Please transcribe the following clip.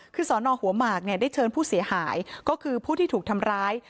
คือสอนอหัวหมากเนี่ยได้เชิญผู้เสียหายก็คือผู้ที่ถูกทำร้าย